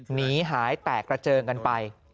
หนีหายแตกกระเจิงกันไป